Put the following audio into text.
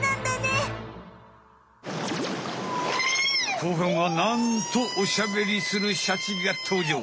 後半はなんとおしゃべりするシャチがとうじょう。